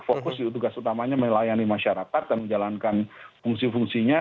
fokus juga tugas utamanya melayani masyarakat dan menjalankan fungsi fungsinya